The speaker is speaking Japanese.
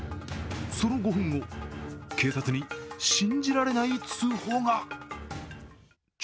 その５分後、警察に信じられない通報が。